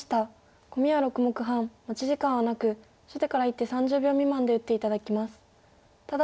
コミは６目半持ち時間はなく初手から１手３０秒未満で打って頂きます。